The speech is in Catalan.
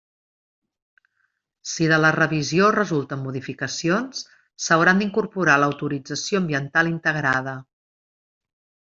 Si de la revisió resulten modificacions, s'hauran d'incorporar a l'autorització ambiental integrada.